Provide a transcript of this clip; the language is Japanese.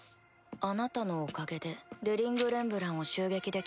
あなたのおかげでデリング・レンブランを襲撃できました。